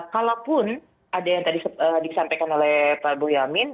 kalaupun ada yang tadi disampaikan oleh pak boyamin